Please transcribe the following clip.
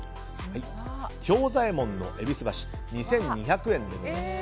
兵左衛門のえびす箸２２００円でございます。